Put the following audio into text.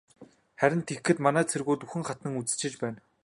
Харин тэгэхэд манай цэргүүд үхэн хатан үзэлцэж байна.